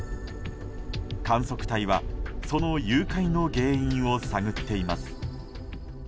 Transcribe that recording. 観測隊はその融解の原因を探っています。